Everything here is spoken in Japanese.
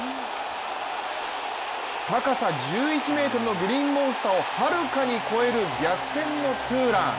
高さ１１ｍのグリーンモンスターをはるかに超える逆転のツーラン。